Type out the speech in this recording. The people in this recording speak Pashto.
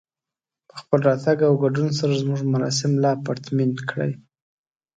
په خپل راتګ او ګډون سره زموږ مراسم لا پرتمين کړئ